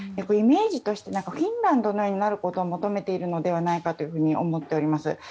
イメージとしてフィンランドのようになることを求めているのではないかと思っております。